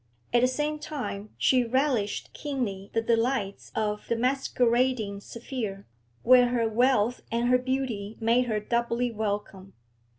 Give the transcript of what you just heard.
At the same time she relished keenly the delights of the masquerading sphere, where her wealth and her beauty made her doubly welcome.